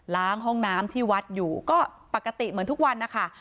ล้างห้องน้ำที่วัดอยู่ก็ปกติเหมือนทุกวันนะคะ